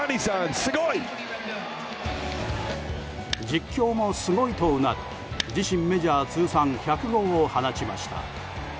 実況もすごい！と、うなる自身メジャー通算１００号を放ちました。